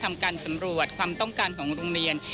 ทำการสำรวจความต้องการของโรงเรียน